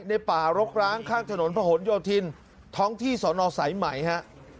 ในป่ารกร้างข้างถนนพระหลโยธินท้องที่สอนอสายไหมฮะ